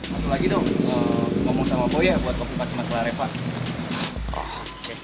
satu lagi dong mau ngomong sama boye buat ngopi pas masalah revan